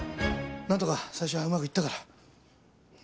なんとか最初はうまくいったから。